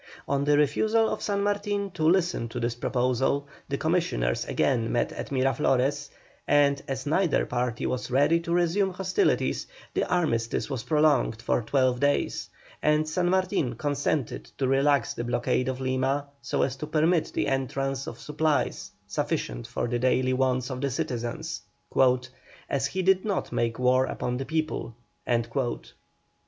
On the refusal of San Martin to listen to this proposal the commissioners again met at Miraflores, and, as neither party was ready to resume hostilities, the armistice was prolonged for twelve days, and San Martin consented to relax the blockade of Lima so as to permit the entrance of supplies sufficient for the daily wants of the citizens, "as he did not make war upon the people."